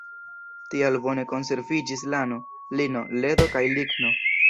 Tial bone konserviĝis lano, lino, ledo kaj ligno.